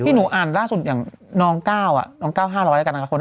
ที่หนูอ่านล่าสุดอย่างน้องเก้าน้องเก้า๕๐๐นักงานคน